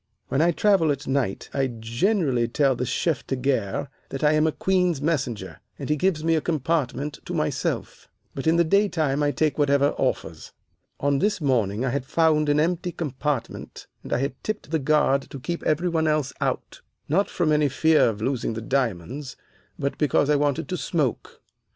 When I travel at night I generally tell the chef de gare that I am a Queen's Messenger, and he gives me a compartment to myself, but in the daytime I take whatever offers. On this morning I had found an empty compartment, and I had tipped the guard to keep every one else out, not from any fear of losing the diamonds, but because I wanted to smoke.